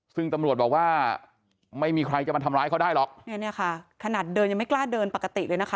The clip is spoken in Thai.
ซึ่งตำรวจบอกว่าไม่มีใครจะมาทำร้ายเขาได้หรอกเนี่ยค่ะขนาดเดินยังไม่กล้าเดินปกติเลยนะคะ